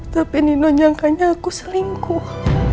tapi nino nyangkanya aku selingkuh